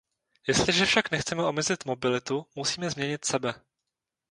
Jestliže však nechceme omezit mobilitu, musíme změnit sebe.